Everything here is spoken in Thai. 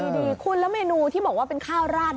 ดีคุณแล้วเมนูที่บอกว่าเป็นข้าวราด